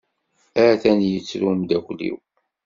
Atan yettru umdakel-iw.